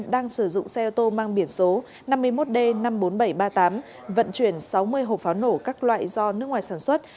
đang sử dụng xe ô tô mang biển số năm mươi một d năm mươi bốn nghìn bảy trăm ba mươi tám vận chuyển sáu mươi hộp pháo nổ các loại do nước ngoài sản xuất